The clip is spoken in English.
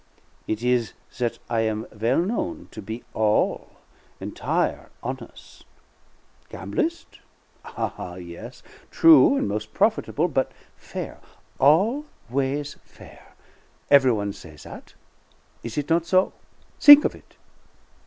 It is that I am well known to be all, entire' hones'. Gamblist? Ah, yes; true and mos profitable; but fair, always fair; every one say that. Is it not so? Think of it.